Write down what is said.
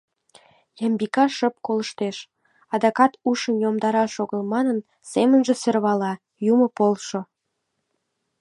Ямбика шып колыштеш, адакат ушым йомдараш огыл манын, семынже сӧрвала: «Юмо полшо!